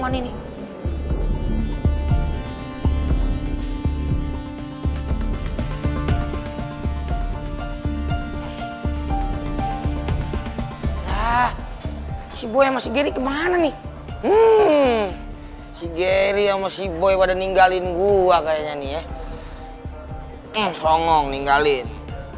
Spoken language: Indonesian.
hai hmm si geri ama si boy pada ninggalin gua kayaknya nih ya hai eh songong ninggalin